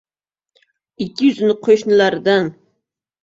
Ikki yuzini qo‘shnilardan